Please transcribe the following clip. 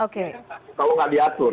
kalau gak diatur